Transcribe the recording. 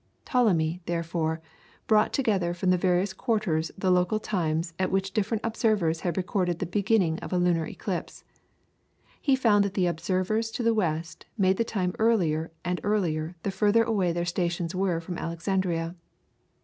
Ptolemy, therefore, brought together from various quarters the local times at which different observers had recorded the beginning of a lunar eclipse. He found that the observers to the west made the time earlier and earlier the further away their stations were from Alexandria.